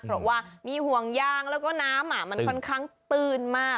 เพราะว่ามีห่วงยางแล้วก็น้ำมันค่อนข้างตื้นมาก